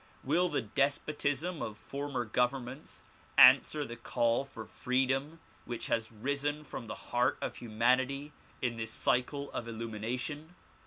Will the despotism of former governments answer the call for freedom which has risen from the heart of humanity in this cycle of illumination?